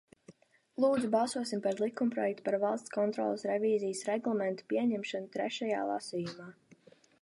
"Lūdzu, balsosim par likumprojekta "Par Valsts kontroles revīzijas reglamentu" pieņemšanu trešajā lasījumā!"